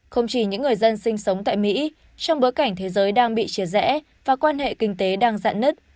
không chỉ những người dân sinh sống tại mỹ trong bối cảnh thế giới đang bị chia rẽ và quan hệ kinh tế đang dạn nứt